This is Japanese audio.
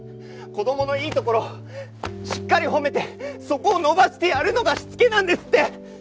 子供のいいところしっかり褒めてそこを伸ばしてやるのがしつけなんですって。